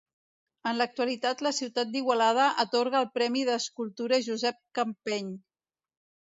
En l'actualitat la ciutat d'Igualada atorga el Premi d'Escultura Josep Campeny.